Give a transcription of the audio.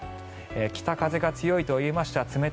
北風が強いといいました。